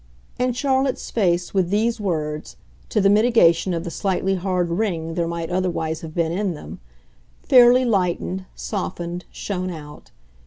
And Charlotte's face, with these words to the mitigation of the slightly hard ring there might otherwise have been in them fairly lightened, softened, shone out.